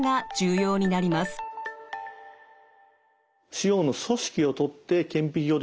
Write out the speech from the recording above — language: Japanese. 腫瘍の組織を採って顕微鏡で調べる